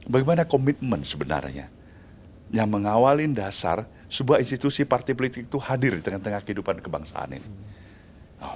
bagaimana komitmen sebenarnya yang mengawalin dasar sebuah institusi partai politik itu hadir di tengah tengah kehidupan kebangsaan ini